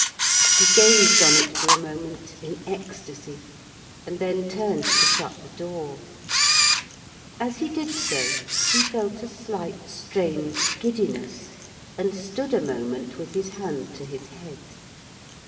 He gazed on it for a moment in ecstasy and then turned to shut the door. As he did so he felt a slight strange giddiness and stood a moment with his hand to his head.